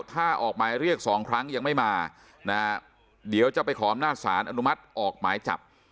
ถ้าออกหมายเรียกสองครั้งยังไม่มานะฮะเดี๋ยวจะไปขออำนาจสารอนุมัติออกหมายจับ